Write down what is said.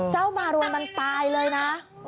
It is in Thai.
มารวยมันตายเลยนะ